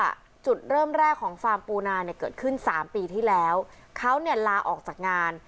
จุดเริ่มแรกของฟาร์มปูนาเนี่ยเกิดขึ้นสามปีที่แล้วเขาเนี่ยลาออกจากงาน